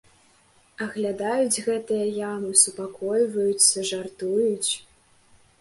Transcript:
Аглядаюць гэтыя ямы, супакойваюцца, жартуюць.